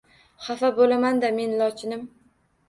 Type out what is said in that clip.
Xafa bo‘laman-da men lochinim!